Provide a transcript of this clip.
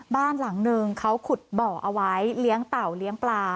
บ้านหลังนึงเขาขุดบ่อเอาไว้เลี้ยงเต่าเลี้ยงปลา